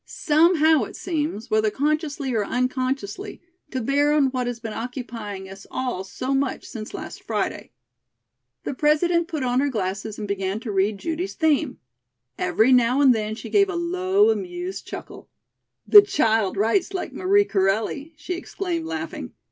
Somehow, it seems, whether consciously or unconsciously, to bear on what has been occupying us all so much since last Friday." The President put on her glasses and began to read Judy's theme. Every now and then she gave a low, amused chuckle. "The child writes like Marie Corelli," she exclaimed, laughing.